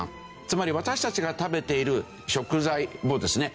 つまり私たちが食べている食材をですね